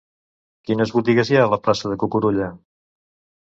Quines botigues hi ha a la plaça de Cucurulla?